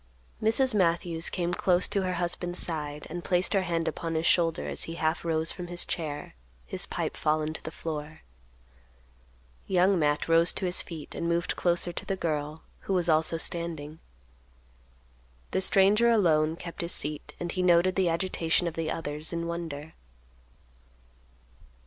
Mrs. Matthews came close to her husband's side, and placed her hand upon his shoulder as he half rose from his chair, his pipe fallen to the floor. Young Matt rose to his feet and moved closer to the girl, who was also standing. The stranger alone kept his seat and he noted the agitation of the others in wonder.